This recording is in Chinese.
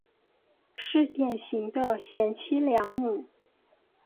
是典型的贤妻良母。